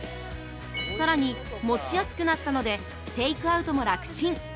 さらに、持ちやすくなったのでテイクアウトも楽ちん。